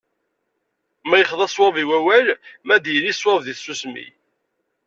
Ma yexḍa sswab i wawal, ma ad yili sswab di tsusmi.